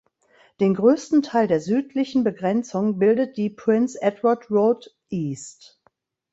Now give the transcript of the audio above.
Den größten Teil der südlichen Begrenzung bildet die "Prince Edward Road East".